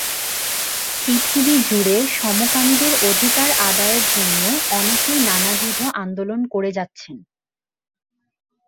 পৃথিবী জুড়ে সমকামীদের অধিকার আদায়ের জন্য অনেকেই নানাবিধ আন্দোলন করে যাচ্ছেন।